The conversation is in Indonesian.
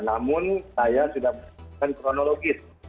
namun saya sudah menunjukkan kronologis